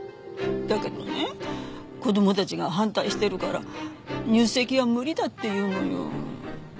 だけどね子供たちが反対してるから入籍は無理だって言うのよ。